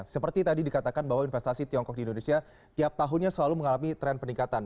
seperti tadi dikatakan bahwa investasi tiongkok di indonesia tiap tahunnya selalu mengalami tren peningkatan